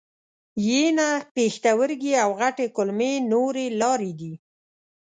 ینه، پښتورګي او غټې کولمې نورې لارې دي.